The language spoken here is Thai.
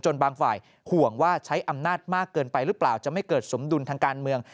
บางฝ่ายห่วงว่าใช้อำนาจมากเกินไปหรือเปล่าจะไม่เกิดสมดุลทางการเมือง